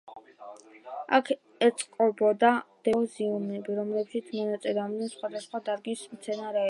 აქ ეწყობოდა დებატები და სიმპოზიუმები, რომლებშიც მონაწილეობდნენ სხვადასხვა დარგის მეცნიერები.